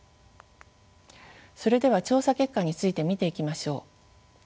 それでは調査結果について見ていきましょう。